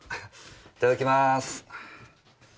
いただきまーす。